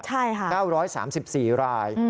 ใช่ค่ะ๙๓๔ราย